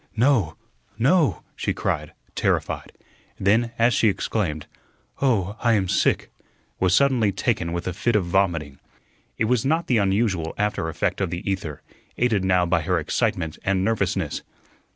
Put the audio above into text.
"No, no," she cried, terrified. Then, as she exclaimed, "Oh, I am sick," was suddenly taken with a fit of vomiting. It was the not unusual after effect of the ether, aided now by her excitement and nervousness.